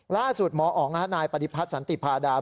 ล่าสุดหมออ๋องนายปฏิพัฒน์สันติพาดา